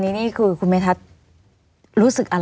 ไม่มีครับไม่มีครับ